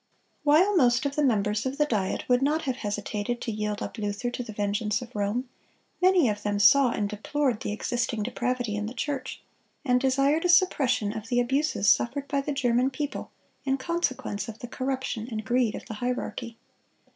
While most of the members of the Diet would not have hesitated to yield up Luther to the vengeance of Rome, many of them saw and deplored the existing depravity in the church, and desired a suppression of the abuses suffered by the German people in consequence of the corruption and greed of the hierarchy.